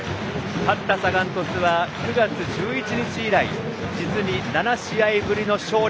勝ったサガン鳥栖とは９月１２日以来実に７試合ぶりの勝利。